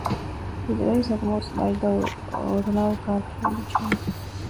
ჰიტლერი საკმაოდ წყნარი და ოდნავ გართული ჩანდა.